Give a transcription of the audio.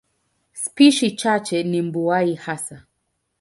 Spishi chache ni mbuai hasa.